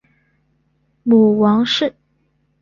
母王氏。